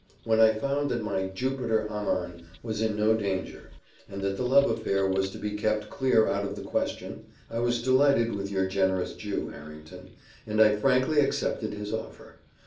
"When I found that my Jupiter Amman was in no danger, and that the love affair was to be kept clear out of the question, I was delighted with your generous Jew, Harrington, and I frankly accepted his offer.